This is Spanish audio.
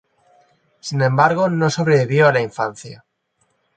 Sin embargo no sobrevivió a la infancia.